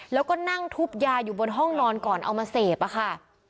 แล้วก็นั่งทุบยาอยู่บนห้องนอนก่อนเอามาเสพอะค่ะ